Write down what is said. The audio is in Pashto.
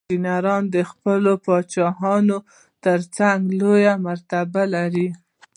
انجینرانو د خپلو پادشاهانو ترڅنګ لوړه مرتبه لرله.